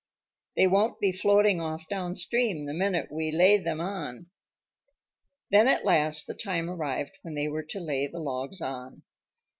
"They won't be floating off downstream the minute we lay them on." Then at last the time arrived when they were to lay the logs on.